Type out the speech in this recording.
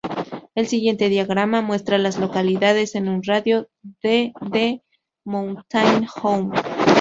El siguiente diagrama muestra a las localidades en un radio de de Mountain Home.